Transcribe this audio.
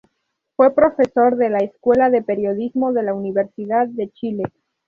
Fue profesor de la Escuela de Periodismo de la Universidad de Chile.